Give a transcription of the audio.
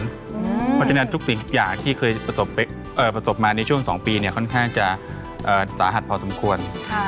เพราะฉะนั้นทุกสิ่งทุกอย่างที่เคยประสบมาในช่วง๒ปีค่อนข้างจะสาหัสพอสมควร